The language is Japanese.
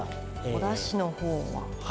おだしのほうは。